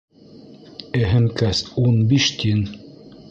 — Эһемкәс, ун биш тин.